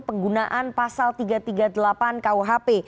penggunaan pasal tiga ratus tiga puluh delapan kuhp